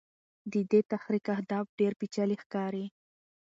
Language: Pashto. د دې تحریک اهداف ډېر پېچلي ښکاري.